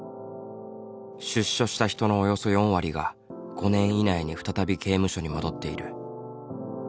出所した人のおよそ４割が５年以内に再び刑務所に戻っている。